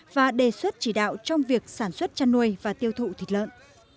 và đề xuất chỉ đạo trong việc sản xuất chăn nuôi và tiêu thụ thịt lợn